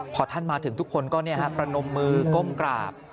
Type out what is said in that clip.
พอท่านมาถึงทุกคนก็ประนมมือก้มกราบ